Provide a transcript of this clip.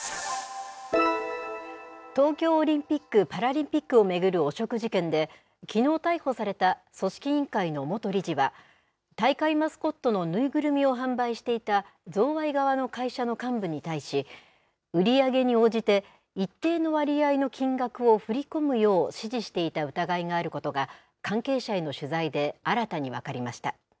東京オリンピック・パラリンピックを巡る汚職事件で、きのう逮捕された組織委員会の元理事は、大会マスコットの縫いぐるみを販売していた贈賄側の会社の幹部に対し、売り上げに応じて一定の割合の金額を振り込むよう指示していた疑いがあることが、関係者への取材で新たに分かりました。